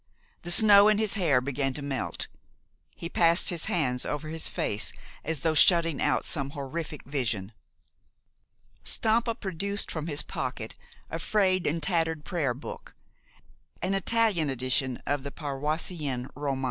The snow in his hair began to melt. He passed his hands over his face as though shutting out some horrific vision. Stampa produced from his pocket a frayed and tattered prayer book an Italian edition of the Paroissien Romain.